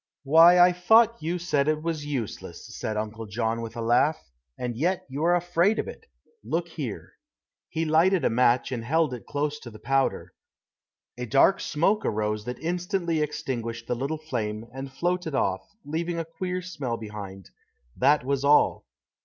"Why, I thought you said it was useless," said Uncle John with a laugh, "and yet you are afraid of it. Look here." He lighted a match and held it close to the powder. A dark smoke arose that instantly extinguished the little flame, and floated off, leaving a queer smell behind. That was all.